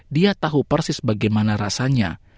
dia tahu persis bagaimana rasanya